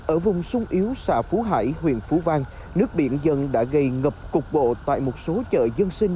ở vùng sung yếu xã phú hải huyện phú vang nước biển dân đã gây ngập cục bộ tại một số chợ dân sinh